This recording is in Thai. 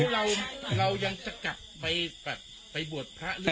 เรายังจะกลับไปบวชพระหรือ